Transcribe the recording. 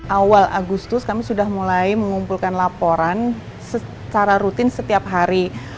awal agustus kami sudah mulai mengumpulkan laporan secara rutin setiap hari